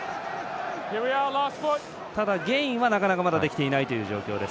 ただゲインはなかなかできていないという状況です。